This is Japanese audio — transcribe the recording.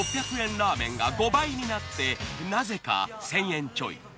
ラーメンが５倍になってなぜか１，０００円ちょい。